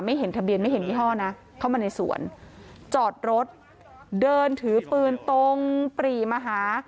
เห็นทะเบียนไม่เห็นยี่ห้อนะเข้ามาในสวนจอดรถเดินถือปืนตรงปรีมาหา